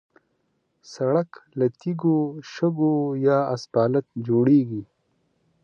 سړک له تیږو، شګو یا اسفالت جوړېږي.